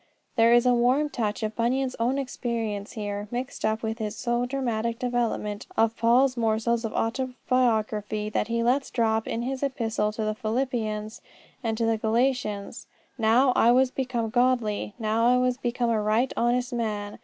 There is a warm touch of Bunyan's own experience here, mixed up with his so dramatic development of Paul's morsels of autobiography that he lets drop in his Epistles to the Philippians and to the Galatians. "Now was I become godly; now I was become a right honest man.